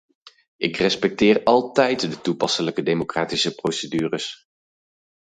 Ik respecteer altijd de toepasselijke democratische procedures.